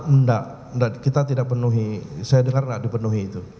enggak enggak kita tidak penuhi saya dengar tidak dipenuhi itu